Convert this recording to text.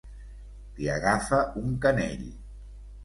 Li agafa un canell.